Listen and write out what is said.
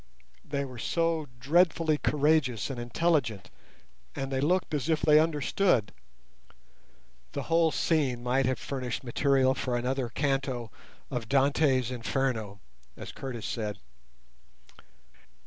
They were so dreadfully courageous and intelligent, and they looked as if they understood. The whole scene might have furnished material for another canto of Dante's "Inferno", as Curtis said.